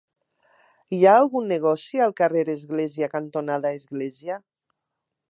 Hi ha algun negoci al carrer Església cantonada Església?